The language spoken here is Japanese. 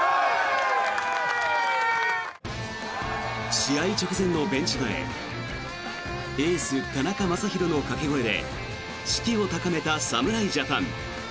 試合直前のベンチ前エース、田中将大の掛け声で士気を高めた侍ジャパン。